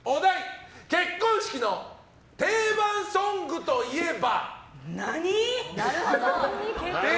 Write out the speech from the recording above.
結婚式の定番ソングといえば？